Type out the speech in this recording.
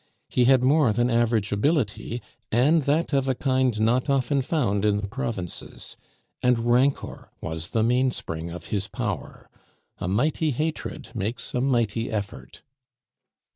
He had more than average ability, and that of a kind not often found in the provinces, and rancor was the mainspring of his power. A mighty hatred makes a mighty effort.